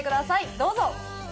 どうぞ！